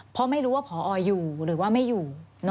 เพราะไม่รู้ว่าพออยู่หรือว่าไม่อยู่